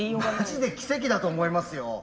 マジで奇跡だと思いますよ。